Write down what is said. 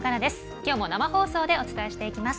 きょうも生放送でお伝えしていきます。